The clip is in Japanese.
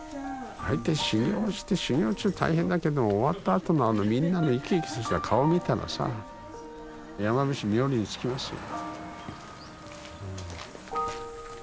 大体修行して修行中大変だけども終わったあとのあのみんなの生き生きとした顔見たらさ山伏冥利につきますよ。